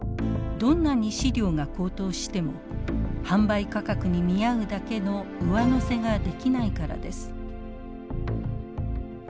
どんなに飼料が高騰しても販売価格に見合うだけの上乗せができないからです。